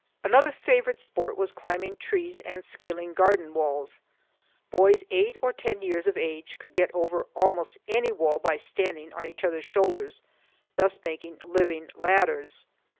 Another favorite sport was climbing trees and scaling garden walls. Boys eight or ten years of age could get over almost any wall by standing on each other's shoulders, thus making living ladders.